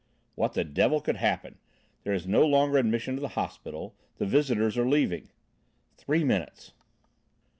"What the devil could happen? There is no longer admission to the hospital; the visitors are leaving." "Three minutes!"